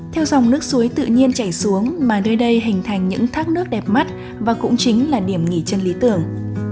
theo dòng nước suối tự nhiên chảy xuống mà nơi đây hình thành những thác nước đẹp mắt và cũng chính là điểm nghỉ chân lý tưởng